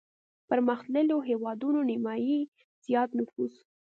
پرمختلليو هېوادونو نيمايي زيات نفوس